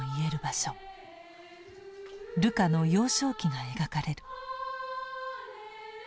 ルカの幼少期が描かれる。